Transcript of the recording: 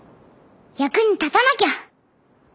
役に立たなきゃ。